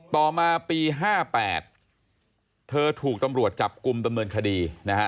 ต่อมาปี๕๘เธอถูกตำรวจจับกลุ่มดำเนินคดีนะฮะ